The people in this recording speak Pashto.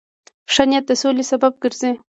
ښه نیت د سولې سبب ګرځي.